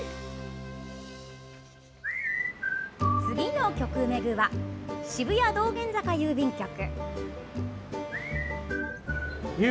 次の局めぐは、渋谷道玄坂郵便局。